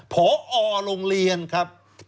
พอโรงเรียนครับ